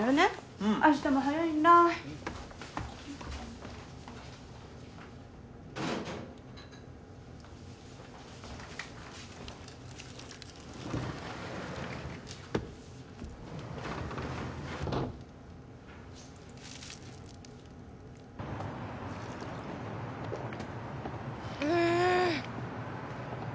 うん明日も早いんだうん